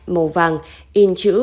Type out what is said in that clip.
màu vàng in chữ